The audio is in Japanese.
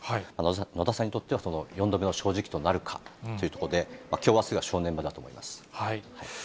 野田さんにとっては、４度目の正直となるかというところで、きょう、あすが正念場だと思います。